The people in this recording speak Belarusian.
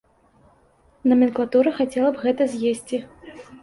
Наменклатура хацела б гэта з'есці.